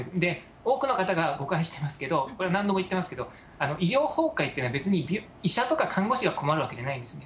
多くの方が誤解してますけど、これは何度も言ってますけど、医療崩壊というのは、別に医者とか看護師が困るわけじゃないんですね。